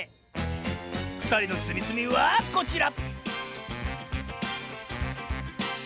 ふたりのつみつみはこちら！